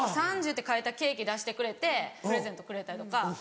「３０」って書いたケーキ出してくれてプレゼントくれたりとか。